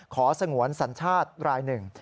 ขอสงวนศรันชาติไล่หนึ่ง